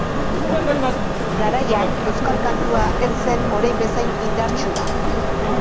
Garaian, euskal kantua ez zen orain bezain indartsua.